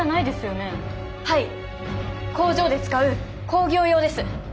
はい工場で使う工業用です。